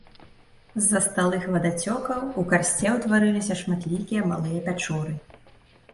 З-за сталых вадацёкаў у карсце ўтварыліся шматлікія малыя пячоры.